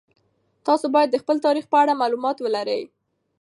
تاسو باید د خپل تاریخ په اړه مالومات ولرئ.